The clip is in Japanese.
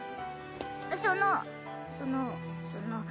そのそのその。